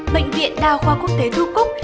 bệnh viện đa khoa quốc tế thu cúc